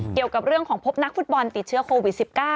เกี่ยวกับเรื่องของพบนักฟุตบอลติดเชื้อโควิด๑๙